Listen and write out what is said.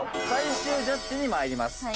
最終ジャッジにまいります